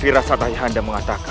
firas saat ayah anda mengatakan